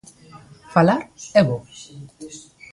Falar é bo.